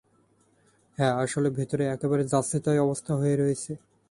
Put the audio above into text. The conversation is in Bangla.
হ্যাঁ, আসলে, ভেতরে একেবারে যাচ্ছেতাই অবস্থা হয়ে রয়েছে।